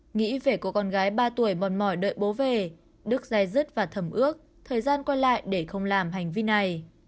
nghĩ về cô con gái ba tuổi mòn mỏi đợi bố về đức dài dứt và thẩm ước thời gian qua lại để không làm hành vi này